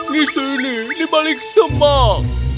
di sini di balik semak